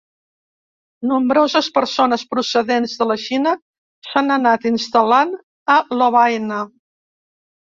Nombroses persones procedents de la Xina s'han anat instal·lant a Lovaina.